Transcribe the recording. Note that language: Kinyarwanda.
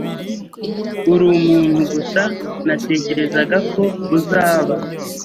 Urumuntu gusa natekerezaga ko uzaba.